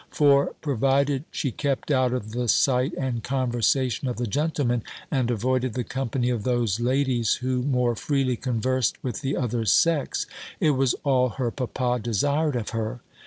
For, provided she kept out of the sight and conversation of the gentlemen, and avoided the company of those ladies who more freely conversed with the other sex, it was all her papa desired of her.